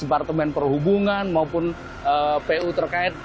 departemen perhubungan maupun bapak pak jokowi dan bapak pak jokowi